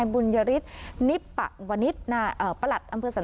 คุณค่ะ